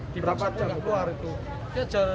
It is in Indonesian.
dibucu juga tidak keluar